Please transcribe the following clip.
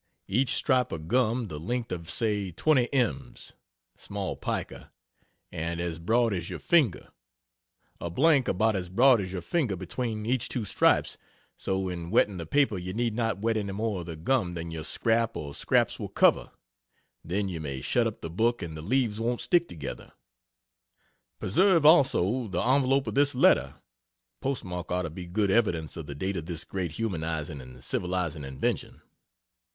Each stripe of gum the length of say 20 ems, small pica, and as broad as your finger; a blank about as broad as your finger between each 2 stripes so in wetting the paper you need not wet any more of the gum than your scrap or scraps will cover then you may shut up the book and the leaves won't stick together. Preserve, also, the envelope of this letter postmark ought to be good evidence of the date of this great humanizing and civilizing invention.